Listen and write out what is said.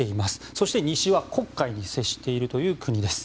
そして西は黒海に接しているという国です。